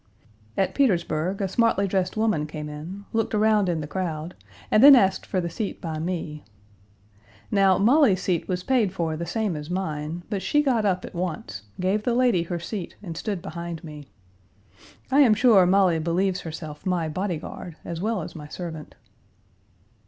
At Petersburg a smartly dressed woman came in, looked around in the crowd, then asked for the seat by me. Now Molly's seat was paid for the same as mine, but she got up at once, gave the lady her seat and stood behind me. I am sure Molly believes herself my body guard as well as my servant.